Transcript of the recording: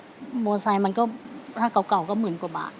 เท่าไหร่ครับโมไซมันก็ถ้าเก่าเก่าก็หมื่นกว่าบาท